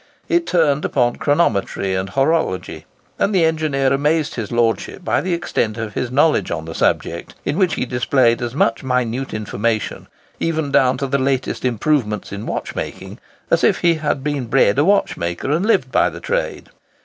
It turned upon chronometry and horology, and the engineer amazed his lordship by the extent of his knowledge on the subject, in which he displayed as much minute information, even down to the latest improvements in watchmaking, as if he had been bred a watchmaker and lived by the trade.